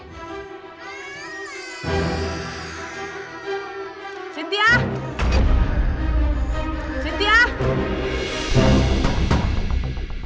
saya ke kantor ini